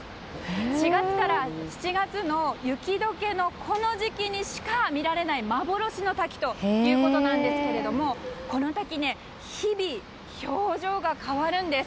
４月から７月の雪解けのこの時期にしか見られない幻の滝ということなんですがこの滝、日々表情が変わるんです。